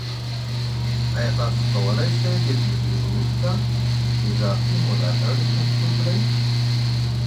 ایا تاسو کولی شئ د ټولګي وروسته اضافي ملاتړ چمتو کړئ؟